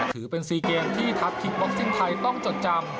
ถือเป็น๔เกมที่ทัพทิกบ็อกซิ่งไทยต้องจดจำ